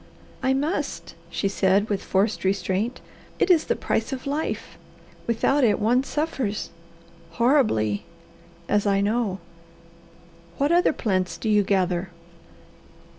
"I must," she said with forced restraint. "It is the price of life. Without it one suffers horribly as I know. What other plants do you gather?"